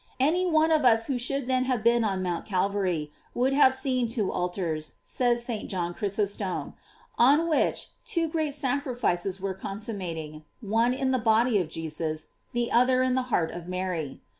f Any one of us who should then have been on Mount Calvary, would have seen two altars, says St. John Chrysostom, on which two great sacrifices were consummating, one in the body of Jesus, the other in the heart of Mary.